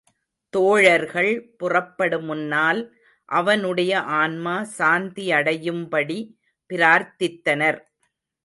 தோழர்கள் புறப்படு முன்னால் அவனுடைய ஆன்மா சாந்தியடையும்படி பிரார்த்தித்தனர்.